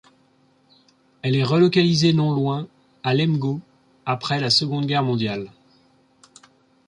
Elle est relocalisée non loin, à Lemgo, après la Seconde Guerre mondiale.